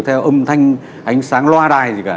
theo âm thanh ánh sáng loa đài gì cả